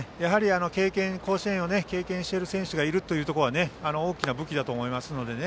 甲子園を経験している選手がいるところは大きな武器だと思いますのでね。